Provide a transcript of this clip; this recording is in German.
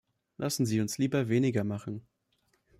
Lassen Sie uns lieber weniger machen!